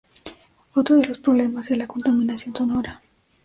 Otro de los problemas es la contaminación sonora.